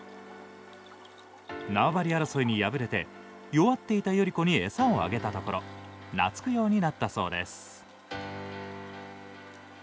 縄張り争いに敗れて弱っていた頼子に餌をあげたところ懐くようになったそうです。